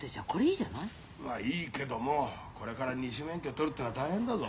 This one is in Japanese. まあいいけどもこれから二種免許取るってのは大変だぞ。